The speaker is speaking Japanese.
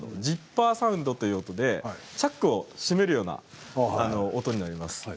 ジッパーサウンドという音でチャックを閉めるような音になります。